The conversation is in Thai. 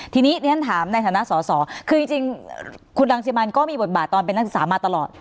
ทีนี้เรียนถามในฐานะสอสอคือจริงคุณรังสิมันก็มีบทบาทตอนเป็นนักศึกษามาตลอด